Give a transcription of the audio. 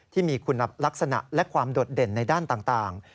ที่มีคุณลักษณะและความโดดเด่นในด้านต่าง